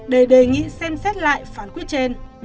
để đề nghị xem xét lại phán quyết trên